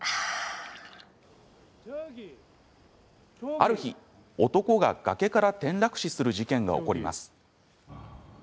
ある日、男が崖から転落死する事件が起こります。